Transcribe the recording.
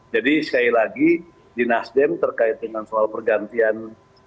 jadi sekali lagi di nasdem terkait dengan soal pergantian